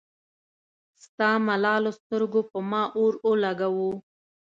ستا ملالو سترګو پۀ ما اور اولګوو